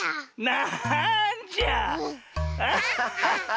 なんじゃ。